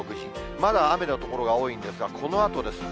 まだ雨の所が多いんですが、このあとです。